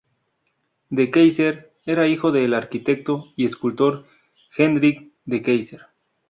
De Keyser era hijo del arquitecto y escultor Hendrik de Keyser.